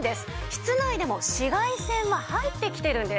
室内でも紫外線は入ってきているんです。